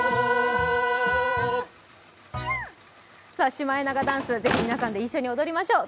シマエナガダンス、ぜひ皆さんで一緒に踊りましょう。